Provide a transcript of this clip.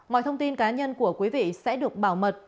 mọi thông tin cá nhân của quý vị sẽ được bảo mật